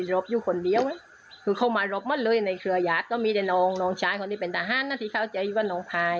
และภารกิจจะปรัชน์